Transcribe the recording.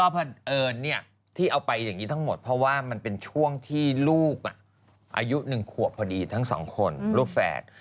เพราะว่ามันเป็นช่วงที่ลูกอายุหนึ่งขวบพอดีทั้งสองคนลูกแฝด